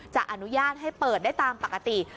จะอนุญาตให้เปิดได้ตามปกติ